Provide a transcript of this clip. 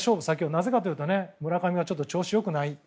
なぜかというと村上は調子が良くない。